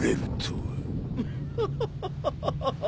・ハハハハハ。